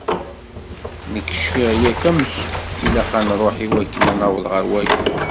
Nekk cfiɣ yakk amek i ilaq ad nṛuḥ i wakken ad naweḍ ɣer yaya.